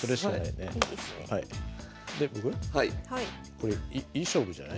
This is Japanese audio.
これいい勝負じゃない？